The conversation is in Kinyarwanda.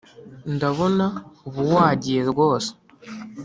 ndabona ubu wagiye rwose.